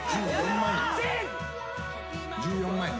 １４万円。